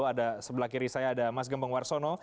ada sebelah kiri saya ada mas gembong warsono